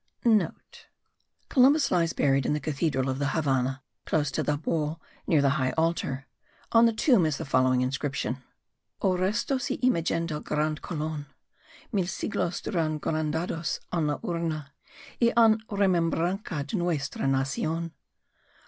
*(* Columbus lies buried in the cathedral of the Havannah, close to the wall near the high altar. On the tomb is the following inscription: O restos y Imagen del grande Colon; Mil siglos duran guardados en la Urna, Y en remembranca de nuestra Nacion.